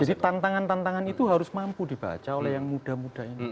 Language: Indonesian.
jadi tantangan tantangan itu harus mampu dibaca oleh yang muda muda ini